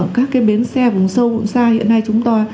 các cái bến xe vùng sâu vùng xa hiện nay chúng ta